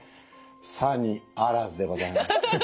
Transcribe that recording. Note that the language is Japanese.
さにあらずでございまして。